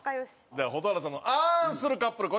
では蛍原さんの「あん」するカップルこちらです。